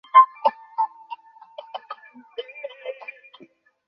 আমি নিজেই যেতাম, কিন্তু আমার ভালো লাগছে না।